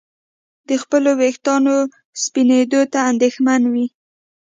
د خپلو ویښتانو سپینېدو ته اندېښمن وي.